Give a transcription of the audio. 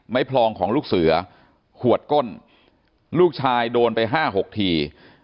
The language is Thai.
พลองของลูกเสือหวดก้นลูกชายโดนไป๕๖ที